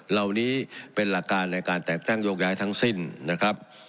เหล่านี้เป็นหลักการในการแต่งตั้งโยกย้ายทั้งสิ้นนะครับ